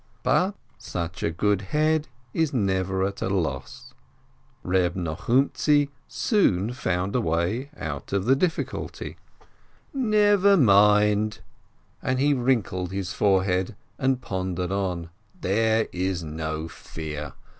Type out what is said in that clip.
But a good head is never at a loss ! Reb ISTochumtzi soon found a way out of the difficulty. "Never mind !" and he wrinkled his forehead, and pondered on. "There is no fear!